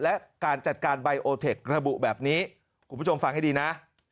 และการจัดการไบโอเทคระบุแบบนี้คุณผู้ชมฟังให้ดีนะ